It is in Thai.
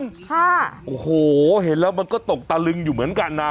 ค่ะโอ้โหเห็นแล้วมันก็ตกตะลึงอยู่เหมือนกันนะ